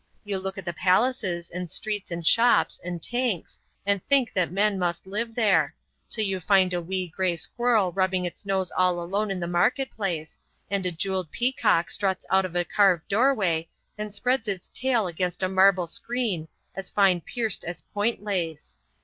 You look at the palaces and streets and shops and tanks, and think that men must live there, till you find a wee gray squirrel rubbing its nose all alone in the market place, and a jewelled peacock struts out of a carved doorway and spreads its tail against a marble screen as fine pierced as point lace.